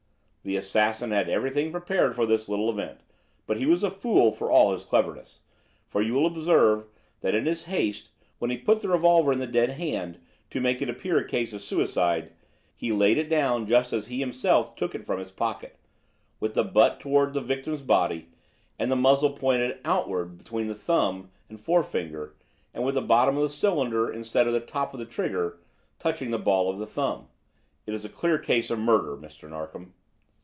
The assassin had everything prepared for this little event; but he was a fool, for all his cleverness, for you will observe that in his haste, when he put the revolver in the dead hand to make it appear a case of suicide, he laid it down just as he himself took it from his pocket, with the butt toward the victim's body and the muzzle pointing outward between the thumb and forefinger, and with the bottom of the cylinder, instead of the top of the trigger, touching the ball of the thumb! It is a clear case of murder, Mr. Narkom."